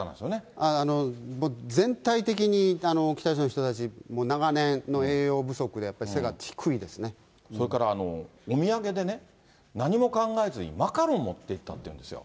全体的に北朝鮮の人たち、長年の栄養不足で、それからお土産でね、何も考えずにマカロン持っていったみたいなんですよ。